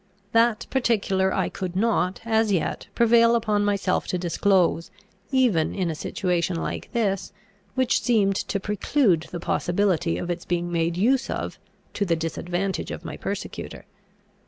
That particular I could not, as yet, prevail upon myself to disclose, even in a situation like this, which seemed to preclude the possibility of its being made use of to the disadvantage of my persecutor.